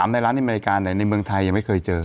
ในร้านอเมริกาในเมืองไทยยังไม่เคยเจอ